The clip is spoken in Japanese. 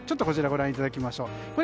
こちら、ご覧いただきましょう。